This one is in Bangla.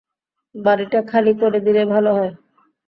বাড়িটা খালি করে দিলে ভালো হয়।